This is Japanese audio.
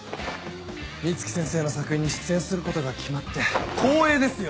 美月先生の作品に出演することが決まって光栄ですよ！